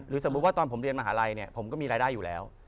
สมมุติว่าตอนผมเรียนมหาลัยเนี่ยผมก็มีรายได้อยู่แล้ว